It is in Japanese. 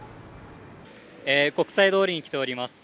国際通りに来ております。